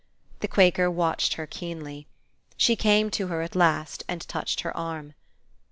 The Quaker watched her keenly. She came to her at last, and touched her arm.